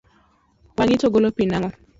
Wang’i to golo pi nang’o?